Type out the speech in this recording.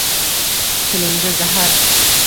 Tilingda zahar